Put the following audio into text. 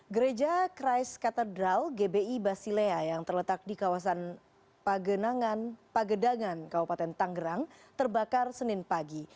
gereja christ katedral gbi basilea yang terletak di kawasan pagedangan kabupaten tanggerang terbakar senin pagi